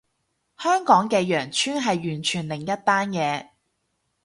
香港嘅羊村係完全另一單嘢